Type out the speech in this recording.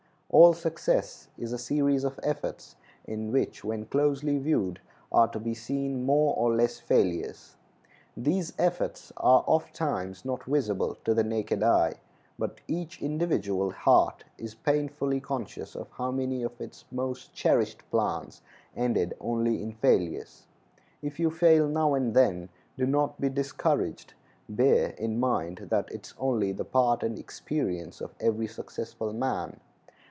All success is a series of efforts in which, when closely viewed, are to be seen more or less failures. These efforts are ofttimes not visible to the naked eye, but each individual heart is painfully conscious of how many of its most cherished plans ended only in failures. If you fail now and then, do not be discouraged; bear in mind that it is only the part and experience of every successful man.